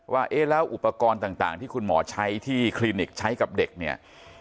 เอ๊ะแล้วอุปกรณ์ต่างที่คุณหมอใช้ที่คลินิกใช้กับเด็กเนี่ย